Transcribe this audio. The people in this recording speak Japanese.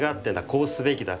こうすべきだ。